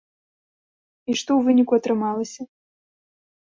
І што ў выніку атрымалася?